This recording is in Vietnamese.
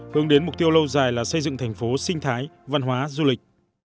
hướng đến mục tiêu lâu dài là xây dựng thành phố sinh thái văn hóa du lịch